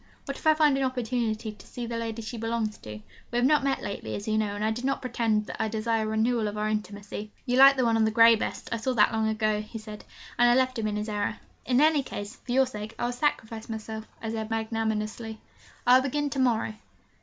What if I find an opportunity to see the lady she belongs to we have not met lately, as you know, and I do not pretend that I desire a renewal of our intimacy ' 'You like the one on the grey best; I saw that long ago,' he said; and I left him in his error. 'In any case, for your sake, I will sacrifice myself,' I said magnanimously. 'I will begin to morrow.